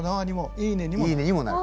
「いいね」にもなる。